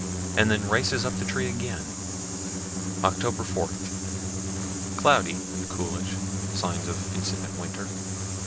and then races up the tree again. Oct. 4. Cloudy and coolish; signs of incipient winter.